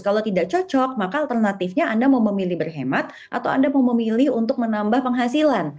kalau tidak cocok maka alternatifnya anda mau memilih berhemat atau anda mau memilih untuk menambah penghasilan